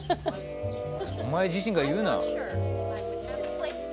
お前自身が言うな。